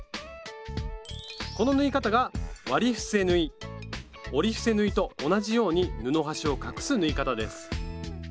この縫い方が折り伏せ縫いと同じように布端を隠す縫い方です。